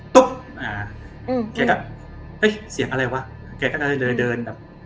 อ่าอืมแกก็เฮ้ยเสียงอะไรวะแกก็เลยเดินแบบ